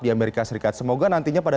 di amerika serikat semoga nantinya pada